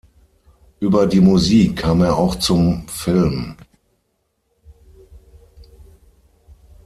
Über die Musik kam er auch zum Film.